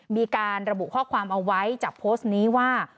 มีการระบุข้อความเอาไว้จากโพสต์นี้ว่า